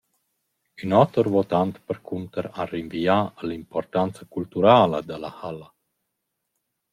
Ün oter votant percunter ha rinvià a l’importanza culturala da la halla.